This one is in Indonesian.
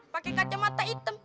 pakai kacamata hitam